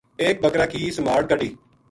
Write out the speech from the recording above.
ایک بکر ا کی سُمہال کَڈھی